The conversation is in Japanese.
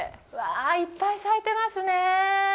いっぱい咲いてますね。